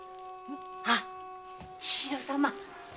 あ千尋様。